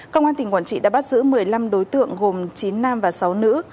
công an tỉnh quảng trị đã bắt giữ một mươi năm đối tượng gồm chín nam và sáu nữ